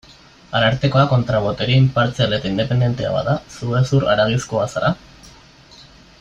Arartekoa kontra-botere inpartzial eta independentea bada, zu hezur-haragizkoa zara?